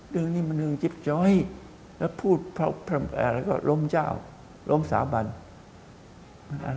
เรื่องนี่มันเรื่องจิปจ๊อยและพูดล้มเจ้าล้มสาบรรภ์